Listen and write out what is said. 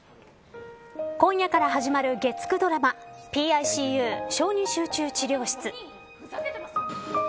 今夜から始まる月９ドラマＰＩＣＵ小児集中治療室。